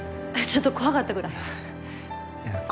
ちょっと怖かったぐらい。